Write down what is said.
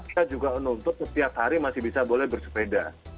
kita juga menuntut setiap hari masih bisa boleh bersepeda